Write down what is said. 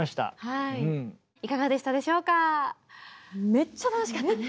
めっちゃ楽しかったね。